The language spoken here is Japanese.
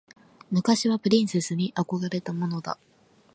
昔はプリンセスに憧れたものだ。